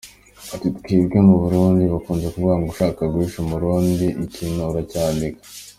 Ati «Twebwe mu Burundi bakunze kuvuga ngo ushaka guhisha Umurundi ikintu uracyandika.